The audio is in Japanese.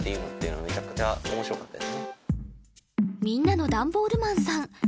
みんなのダンボールマンさん